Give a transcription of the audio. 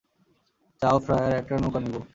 চাও ফ্রায়ায় একটি নৌকা নিব।